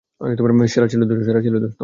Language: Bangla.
সেরা ছিল দোস্ত।